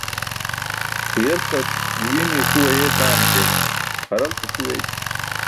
Huyeltarc yuu i̇mi̇ye ṣuu ayeetan ke, haralte ṣuu eeći̇.